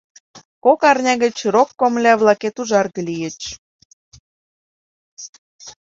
Кок арня гыч рок комыля-влакет ужарге лийыч.